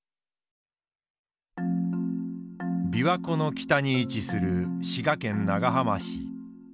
琵琶湖の北に位置する滋賀県長浜市。